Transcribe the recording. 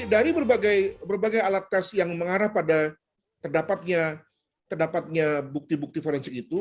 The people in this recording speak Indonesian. dari berbagai alat kas yang mengarah pada terdapatnya bukti bukti forensik itu